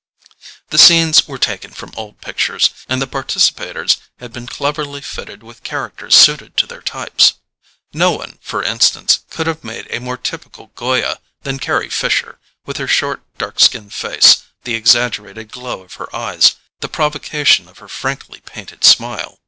The scenes were taken from old pictures, and the participators had been cleverly fitted with characters suited to their types. No one, for instance, could have made a more typical Goya than Carry Fisher, with her short dark skinned face, the exaggerated glow of her eyes, the provocation of her frankly painted smile.